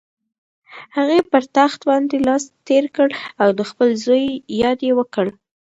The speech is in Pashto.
هغې پر تخت باندې لاس تېر کړ او د خپل زوی یاد یې وکړ.